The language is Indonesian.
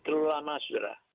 terlalu lama sudah